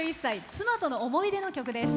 妻との思い出の曲です。